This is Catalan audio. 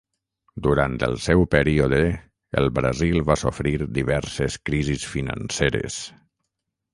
Durant el seu període el Brasil va sofrir diverses crisis financeres.